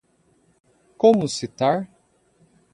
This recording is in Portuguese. Como citar?